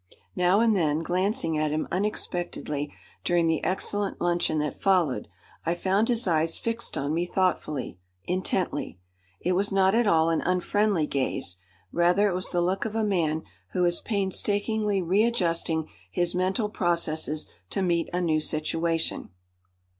Now and then, glancing at him unexpectedly during the excellent luncheon that followed, I found his eyes fixed on me thoughtfully, intently. It was not at all an unfriendly gaze. Rather it was the look of a man who is painstakingly readjusting his mental processes to meet a new situation.